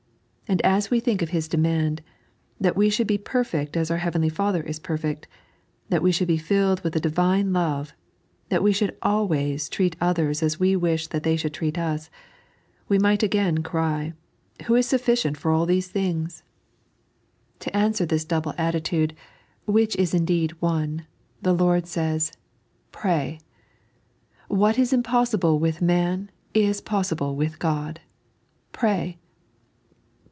And as we think of His demand — that we should be perfect as our heavenly Father is perfect, that we should be filled witii a Divine love, and that we should always treat others as wa wish that they should treat us — we might again ray :" Who is sufficient for these thin^l" To answer this double 3.n.iized by Google Ask — Receite. 173 attitude, which is indeed one, the Lord says :" Pray ! What is impossible with man is possible with God. Pray!"